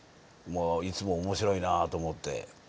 もういつも面白いなぁと思って。